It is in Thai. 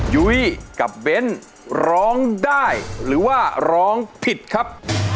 ยุ้ยกับเบ้นร้องได้หรือว่าร้องผิดครับ